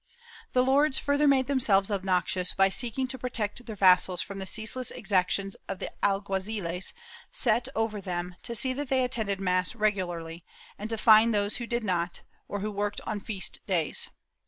* The lords further made themselves obnoxious by seeking to pro tect their vassals from the ceaseless exactions of the alguaziles set over them to see that they attended mass regularly, and to fine those who did not, or who worked on feast days.